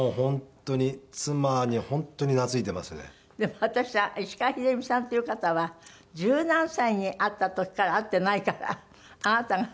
でも私は石川秀美さんという方は十何歳に会った時から会っていないからあなたが。